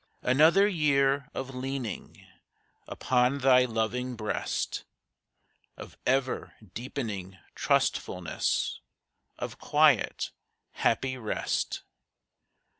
Another year of leaning Upon Thy loving breast, Of ever deepening trustfulness, Of quiet, happy rest.